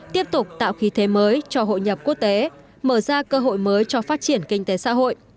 tiếp tục tạo khí thế mới cho hội nhập quốc tế mở ra cơ hội mới cho phát triển kinh tế xã hội